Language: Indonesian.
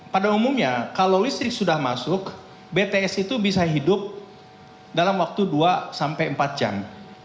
pada umumnya kalau listrik sudah masuk bts itu bisa hidup dalam waktu dua sampai empat jam